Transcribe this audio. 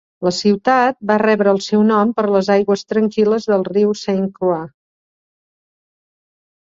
La ciutat va rebre el seu nom per les aigües tranquil·les del riu Saint Croix.